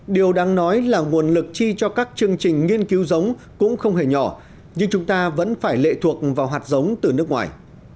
điều đáng nói là nguồn lực chi cho các chương trình nghiên cứu giống cũng không hề nhỏ nhưng chúng ta vẫn phải lệ thuộc vào hạt giống từ nước ngoài